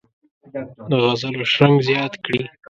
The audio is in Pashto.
د غزلو شرنګ زیات کړي.